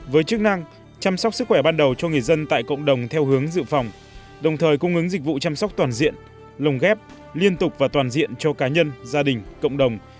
với chức năng chăm sóc sức khỏe ban đầu cho người dân tại cộng đồng theo hướng dự phòng đồng thời cung ứng dịch vụ chăm sóc toàn diện lồng ghép liên tục và toàn diện cho cá nhân gia đình cộng đồng